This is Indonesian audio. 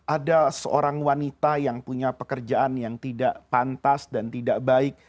ada seorang wanita yang punya pekerjaan yang tidak pantas dan tidak baik